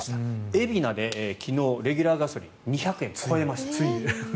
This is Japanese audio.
海老名で昨日レギュラーガソリン２００円超えました、ついに。